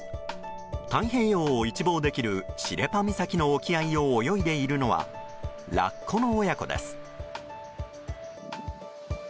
太平洋を一望できる尻羽岬の沖合を泳いでいるのはラッコの親子です。